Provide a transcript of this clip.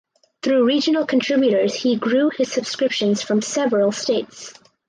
Through regional contributors he grew his subscriptions from several states.